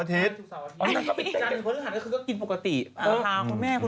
แต่สกสาวนี้ก็แบบ